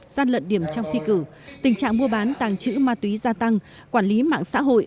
gian lận điểm trong thi cử tình trạng mua bán tàng trữ ma túy gia tăng quản lý mạng xã hội